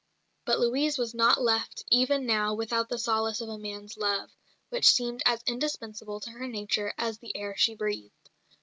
But Louise was not left even now without the solace of a man's love, which seemed as indispensable to her nature as the air she breathed.